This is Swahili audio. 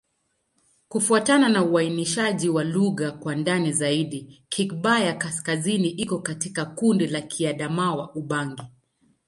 Kufuatana na uainishaji wa lugha kwa ndani zaidi, Kigbaya-Kaskazini iko katika kundi la Kiadamawa-Ubangi.